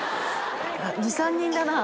２、３人だな。